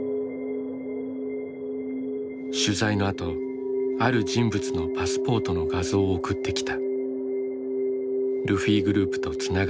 取材のあとある人物のパスポートの画像を送ってきた。